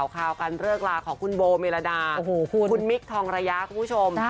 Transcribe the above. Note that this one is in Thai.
ข่าวการเลิกลาของคุณโบเมรดาคุณมิคทองระยะคุณผู้ชม